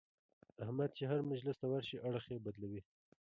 احمد چې هر مجلس ته ورشي اړخ یې بدلوي.